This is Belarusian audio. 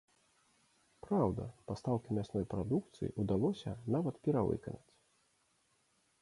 Праўда, пастаўкі мясной прадукцыі ўдалося нават перавыканаць.